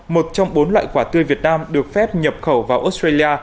một trong bốn loại quả tươi việt nam được phép nhập khẩu vào australia